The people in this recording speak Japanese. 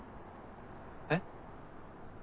えっ？